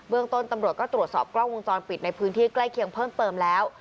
ต้นตำรวจก็ตรวจสอบกล้องวงจรปิดในพื้นที่ใกล้เคียงเพิ่มเติมแล้ว